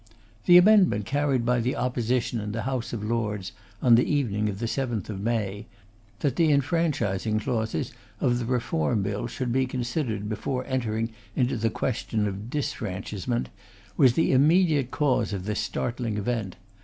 The amendment carried by the Opposition in the House of Lords on the evening of the 7th of May, that the enfranchising clauses of the Reform Bill should be considered before entering into the question of disfranchisement, was the immediate cause of this startling event.